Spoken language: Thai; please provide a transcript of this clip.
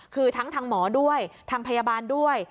คือทั้งทางหมอด้วยทางพยาบาลด้วย